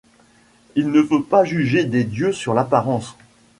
Il ne faut pas juger des dieux sur l’apparence.